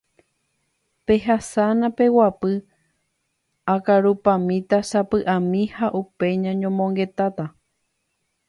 Pehasána peguapy akarupamíta sapy'ami ha upéi ñañomongetáta.